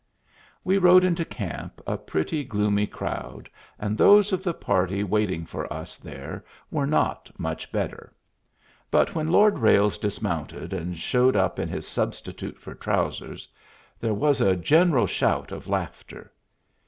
We rode into camp a pretty gloomy crowd, and those of the party waiting for us there were not much better; but when Lord Ralles dismounted and showed up in his substitute for trousers there was a general shout of laughter.